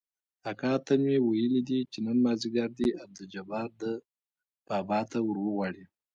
اکا ته مې ويلي دي چې نن مازديګر دې عبدالجبار ده بابا ته وروغواړي.